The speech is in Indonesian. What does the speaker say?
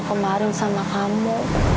kemarin sama kamu